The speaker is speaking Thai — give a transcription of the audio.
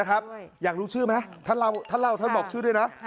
นะครับอยากรู้ชื่อไหมท่านเล่าท่านเล่าท่านบอกชื่อด้วยนะค่ะ